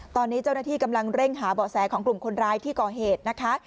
ตอนนี้เจ้าหน้าที่กำลังเร่งหาเบาะแสของกลุ่มคนร้ายที่ก่อเหตุนะคะ